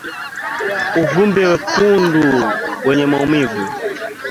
Uvimbe mwekundu wenye maumivu